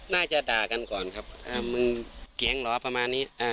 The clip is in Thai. น่าจะด่ากันก่อนครับมึงเก๋งเหรอประมาณนี้